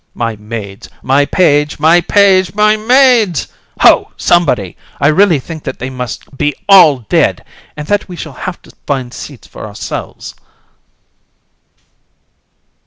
My maids! my page! my page! my maids! Ho! somebody! I really think that they must be all dead, and that we shall have to find seats for ourselves.